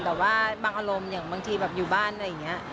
แต่ว่าบางอารมณ์อย่างบางทีแบบอยู่บ้านอะไรอย่างนี้